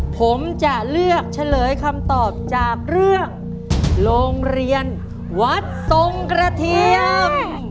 ผมจะเลือกเฉลยคำตอบจากเรื่องโรงเรียนวัดทรงกระเทียม